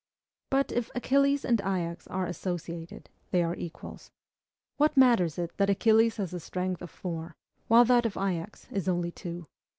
But if Achilles and Ajax are associated, they are equals. What matters it that Achilles has a strength of four, while that of Ajax is only two?